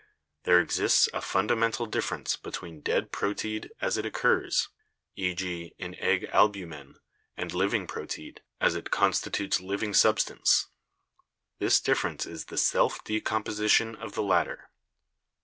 There exists a funda mental difference between dead proteid, as it occurs — e.g., in egg albumen, and living proteid, as it constitutes living substance; this difference is the self decomposition of the latter.